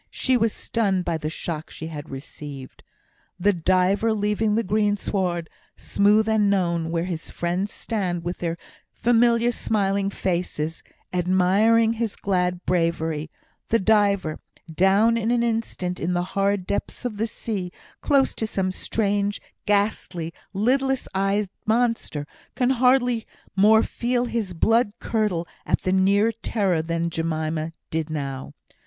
She was stunned by the shock she had received. The diver, leaving the green sward, smooth and known, where his friends stand with their familiar smiling faces, admiring his glad bravery the diver, down in an instant in the horrid depths of the sea, close to some strange, ghastly, lidless eyed monster, can hardly more feel his blood curdle at the near terror than did Jemima now.